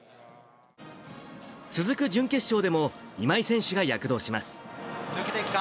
続く準決勝でも、今井選手が躍動抜けていくか？